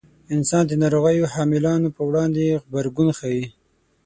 انسانان د ناروغیو حاملانو په وړاندې غبرګون ښيي.